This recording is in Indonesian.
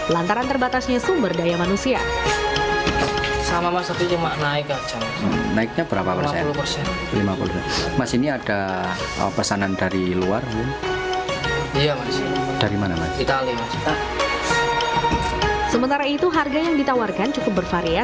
lantaran terbatasnya sumber daya manusia